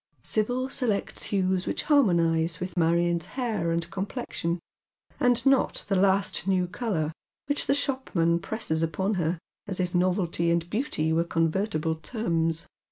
Sibyl selects hues which hfirmonize with Marion's hair and complexion, and not the last new colour, which the shopman presses upon her, as if novelty and beauty were con vertible teiTus.